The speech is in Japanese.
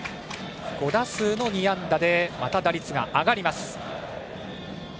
５打数２安打でまた打率が上がります、頓宮。